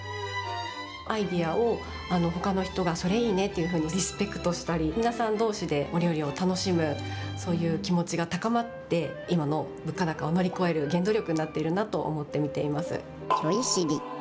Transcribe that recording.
アイデアを、ほかの人が、それいいねってリスペクトしたり、皆さんどうしでお料理を楽しむ、そういう気持ちが高まって、今の物価高を乗り越える原動力になっているなと思って見ています。